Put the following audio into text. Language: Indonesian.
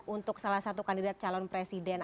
untuk salah satu kandidat calon presiden